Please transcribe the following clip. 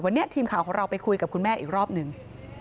วันนี้ทีมข่าวของเราไปคุยกับคุณแม่อีกรอบหนึ่ง